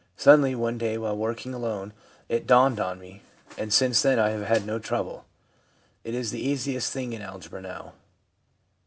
Suddenly one day, while working alone, it dawned on me, and since then I have had no trouble. It is the easiest thing in algebra now.'